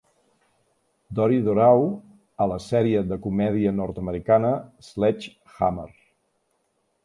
Dori Doreau a la sèrie de comèdia nord-americana Sledge Hammer!